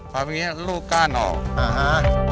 พับอย่างเงี้ยลูกก้านออกอ๋อฮะ